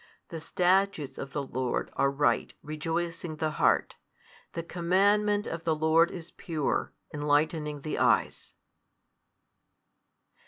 The statutes of the Lord are right, rejoicing the heart: the commandment of the Lord is pure, enlightening the eyes.